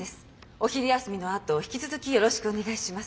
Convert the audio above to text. お昼休みのあと引き続きよろしくお願いします。